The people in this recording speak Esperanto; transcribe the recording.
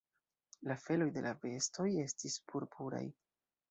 La feloj de la bestoj estis purpuraj.